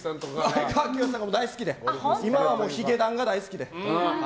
前川清さんが大好きで今はヒゲダンが大好きで。